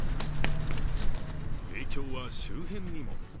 影響は周辺にも。